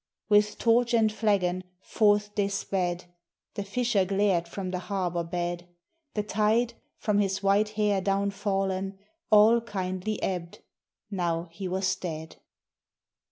With torch and flagon, forth they sped: The fisher glared from the harbor bed! The tide, from his white hair down fallen, All kindly ebbed, now he was dead.